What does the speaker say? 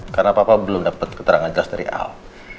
karena papa belum dapat keterangan jelas dari al